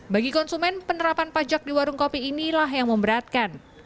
bagi konsumen penerapan pajak di warung kopi inilah yang memberatkan